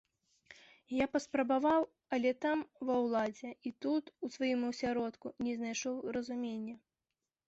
Я паспрабаваў, але там, ва ўладзе, і тут, у сваім асяродку, не знайшоў разумення.